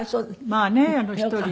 まあね１人。